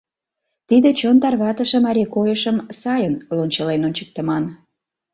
Тиде чон тарватыше марий койышым сайын лончылен ончыктыман.